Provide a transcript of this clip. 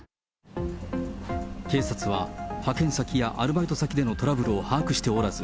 警察は派遣先やアルバイト先でのトラブルを把握しておらず、